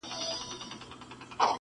• هغوی وویل څښتن چي مو خوشال وي -